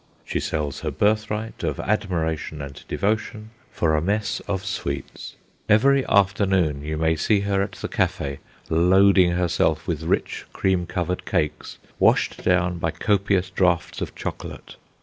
She sells her birth right of admiration and devotion for a mess of sweets. Every afternoon you may see her at the cafe, loading herself with rich cream covered cakes, washed down by copious draughts of chocolate.